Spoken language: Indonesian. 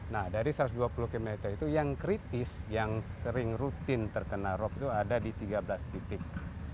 nah dari satu ratus dua puluh km itu yang kritis yang sering rutin terkena rop itu ada di tiga belas titik